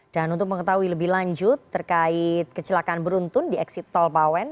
dan untuk mengetahui lebih lanjut terkait kecelakaan beruntun di eksik tolbawen